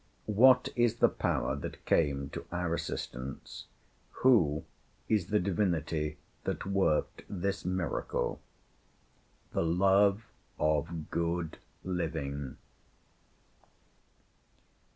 What is the power that came to our assistance? Who is the divinity that worked this miracle? The love of good living.